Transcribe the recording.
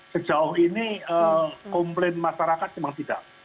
sejauh ini komplain masyarakat memang tidak